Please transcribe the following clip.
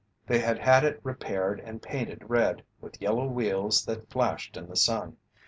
They had had it repaired and painted red, with yellow wheels that flashed in the sun.